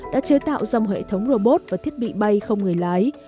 đã chế tạo dòng hệ thống robot và thiết bị bay không người lái